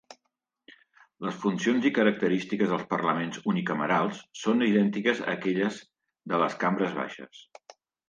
Les funcions i característiques dels parlaments unicamerals són idèntiques a aquelles de les cambres baixes.